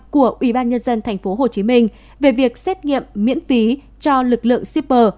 của ubnd tp hcm về việc xét nghiệm miễn phí cho lực lượng shipper